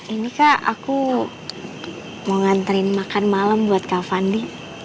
ini kak aku mau nganterin makan malam buat kak fandi